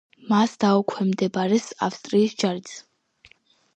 მას დაუქვემდებარეს ავსტრიის ჯარიც.